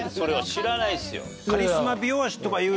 知らないですよ。